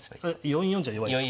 ４四じゃ弱いですか？